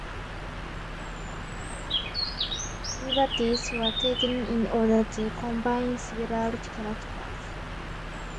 Liberties were taken in order to combine several characters.